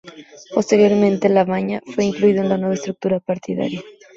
Posteriormente Lavagna no fue incluido en la nueva estructura partidaria.